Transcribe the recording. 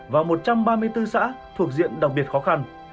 và một trăm ba mươi bốn xã thuộc diện đặc biệt khó khăn